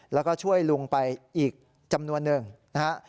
แล้วก็ช่วยลุงไปอีกจำนวนหนึ่งนะฮะ